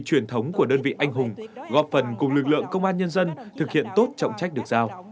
truyền thống của đơn vị anh hùng góp phần cùng lực lượng công an nhân dân thực hiện tốt trọng trách được giao